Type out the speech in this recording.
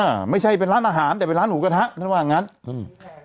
ไม่ใช่เป็นร้านอาหารแต่เป็นร้านหมูกระทะท่านว่างั้นอืม